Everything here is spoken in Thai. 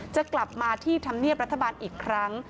จะกลับมาที่ธรรมเนียบรัฐบาลอีกครั้ง